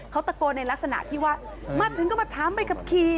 เขาตะโกนในลักษณะที่ว่ามาถึงก็มาถามใบขับขี่